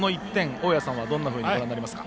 大矢さんはどんなふうにご覧になりますか？